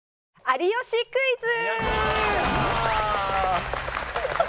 『有吉クイズ』。